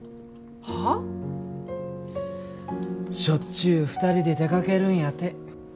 しょっちゅう２人で出かけるんやて。